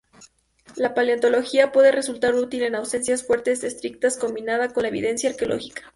La paleontología puede resultar útil en ausencia fuentes escritas, combinada con la evidencia arqueológica.